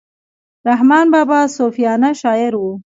رحمان بابا صوفیانه شاعر وو.